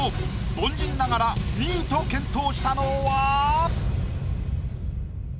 凡人ながら２位と健闘したのは？